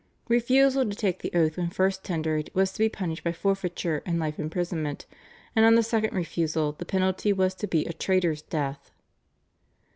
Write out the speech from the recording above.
Refusal to take the oath when first tendered was to be punished by forfeiture and life imprisonment, and on the second refusal the penalty was to be a traitor's death.